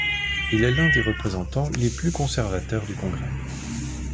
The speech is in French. Il est l'un des représentants les plus conservateurs du Congrès.